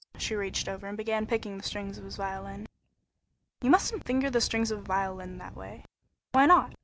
She reached over and began picking the strings of his violin. "You musn't finger the strings of a violin that way." "Why not?